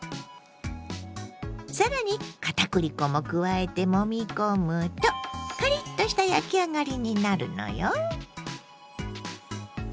更に片栗粉も加えてもみ込むとカリッとした焼き上がりになるのよ。